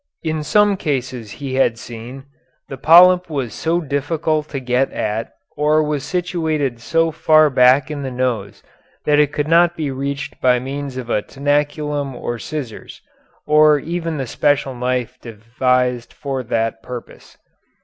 In some cases he had seen the polyp was so difficult to get at or was situated so far back in the nose that it could not be reached by means of a tenaculum or scissors, or even the special knife devised for that purpose.